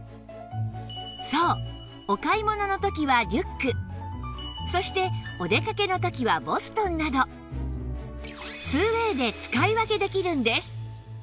そうお買い物の時はリュックそしてお出かけの時はボストンなど ２ＷＡＹ で使い分けできるんです